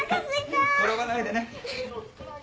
転ばないでね。